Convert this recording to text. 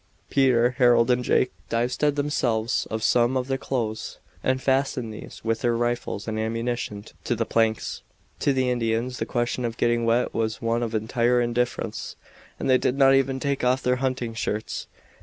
Peter, Harold, and Jake divested themselves of some of their clothes and fastened these with their rifles and ammunition to the planks. To the Indians the question of getting wet was one of entire indifference, and they did not even take off their hunting shirts.